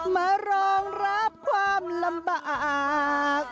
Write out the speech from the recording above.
มารองรับความลำบาก